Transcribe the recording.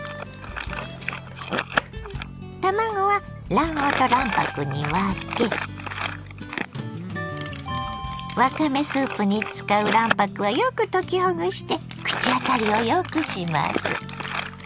卵は卵黄と卵白に分けわかめスープに使う卵白はよく溶きほぐして口当たりをよくします。